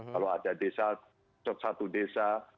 kalau ada desa satu desa